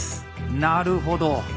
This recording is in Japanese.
なるほど。